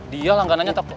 dia langganannya tako